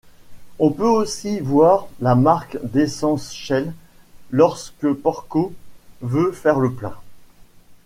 On peut aussi voir la marque d'essence Shell lorsque Porco veut faire le plein.